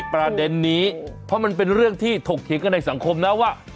ประเด็นนี้เพราะมันเป็นเรื่องที่ถกเถียงกันในสังคมนะว่า